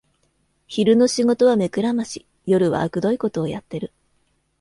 昼の仕事は目くらまし、夜はあくどいことをやってる